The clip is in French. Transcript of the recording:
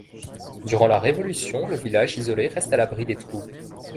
Durant la Révolution, le village isolé reste à l'abri des troubles.